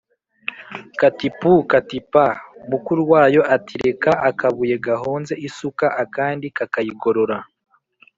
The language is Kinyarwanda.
Kati pooo ! kati paaa, mukuru wayo ati reka-Akabuye gahonze isuka akandi kakayigorora.